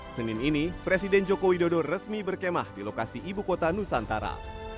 senin ini presiden joko widodo resmi berkemah di lokasi ibu kota nusantara